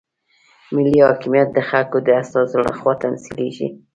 ملي حاکمیت د خلکو د استازو لخوا تمثیلیږي.